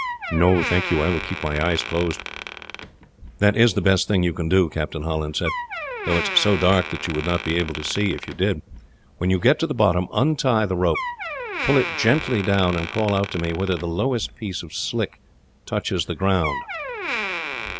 "No, thank you. I will keep my eyes closed." "That is the best thing you can do," Captain Holland said, "though it is so dark that you would not be able to see, if you did. When you get to the bottom, untie the rope, pull it gently down, and call out to me whether the lowest piece of stick touches the ground.